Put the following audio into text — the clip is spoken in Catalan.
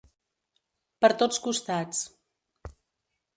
Per tots costats.